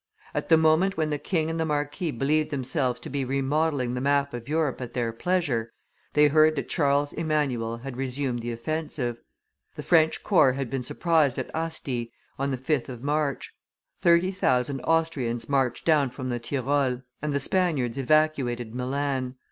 At the moment when the king and the marquis believed themselves to be remodelling the map of Europe at their pleasure, they heard that Charles Emmanuel had resumed the offensive. A French corps had been surprised at Asti, on the 5th of March; thirty thousand Austrians marched down from the Tyrol, and the Spaniards evacuated Milan.